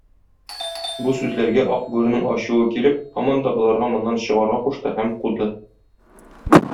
Бу сүзләргә Ак бүренең ачуы килеп, һаман да боларга моннан чыгарга кушты һәм куды.